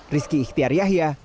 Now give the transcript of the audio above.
rizky ihtiar yahya